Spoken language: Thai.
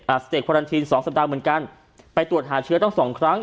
สเตควารันทีนสองสัปดาห์เหมือนกันไปตรวจหาเชื้อต้องสองครั้ง